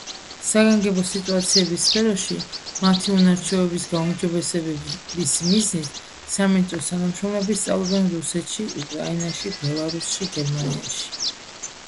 საგანგებო სიტუაციების სფეროში მათი უნარ-ჩვევების გაუმჯობესების მიზნით, სამინისტროს თანამშრომლები სწავლობენ რუსეთში, უკრაინაში, ბელარუსში, გერმანიაში.